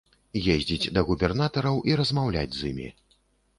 Ездзіць да губернатараў, размаўляць з імі.